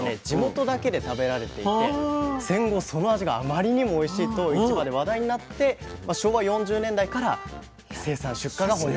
地元だけで食べられていて戦後その味があまりにもおいしいと市場で話題になって昭和４０年代から生産出荷が。